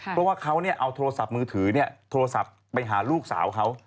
เพราะว่าเขาเอาโทรศัพท์มือถือโทรศัพท์ไปหาลูกสาวเขา